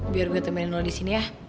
biar gue temenin lu disini ya